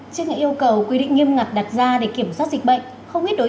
trước ngày yêu cầu quy định nghiêm ngặt đặt ra để kiểm soát dịch bệnh